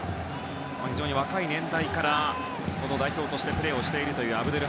非常に若い年代から代表としてプレーをしているアブドゥル